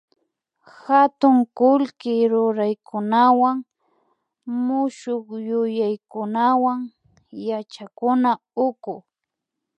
katun kullki ruraykunawan mushukyuyaykunawan yachakuna uku